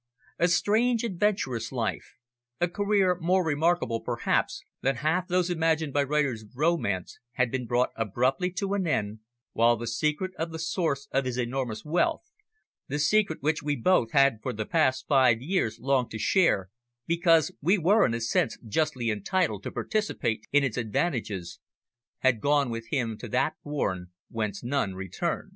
A strange, adventurous life, a career more remarkable, perhaps, than half those imagined by writers of romance, had been brought abruptly to an end, while the secret of the source of his enormous wealth the secret which we both had for the past five years longed to share, because we were in a sense justly entitled to participate in its advantages had gone with him to that bourne whence none return.